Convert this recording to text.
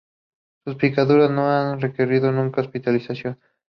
Sus picaduras no han requerido nunca hospitalización.